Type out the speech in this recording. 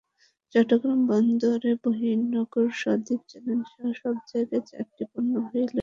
চট্টগ্রাম বন্দরের বহির্নোঙর, সন্দ্বীপ চ্যানেলসহ চার জায়গায় চারটি পণ্যবাহী লাইটার জাহাজডুবির ঘটনা ঘটেছে।